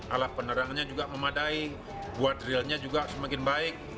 alat penerangannya juga memadai buat drillnya juga semakin baik